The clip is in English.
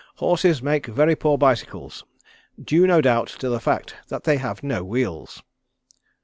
Horses make very poor bicycles, due no doubt to the fact that they have no wheels."